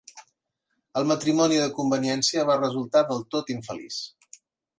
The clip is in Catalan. El matrimoni de conveniència va resultar del tot infeliç.